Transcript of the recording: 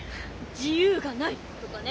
自由がない！とかね。